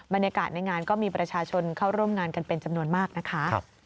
บรรยากาศในงานก็มีประชาชนเข้าร่วมงานกันเป็นจำนวนมากนะคะ